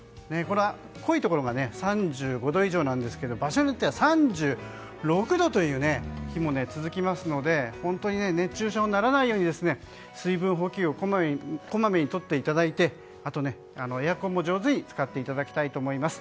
濃いところが３５度以上なんですが場所によっては３６度という日も続きますので本当に熱中症にならないように水分補給をこまめに取っていただいてエアコンも上手に使っていただきたいと思います。